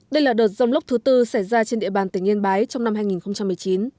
đây là đợt rông lốc thứ tư xảy ra trên địa bàn tỉnh yên bái trong năm hai nghìn một mươi chín